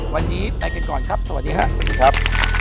วันนี้ไปกันก่อนครับสวัสดีครับ